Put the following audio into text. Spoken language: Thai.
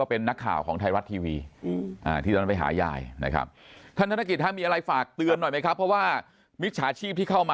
หลับถ้าเรื่องนี้ไม่มีปัญหาครับเดี๋ยวจะช่วยประสานให้ทั้งหมดครับ